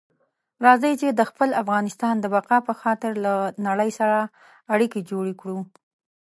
راځئ د خپل افغانستان د بقا په خاطر له نړۍ سره اړیکي جوړې کړو.